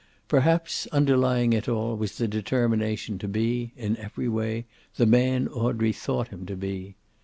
Perhaps, underlying it all was the determination to be, in every way, the man Audrey thought him to be.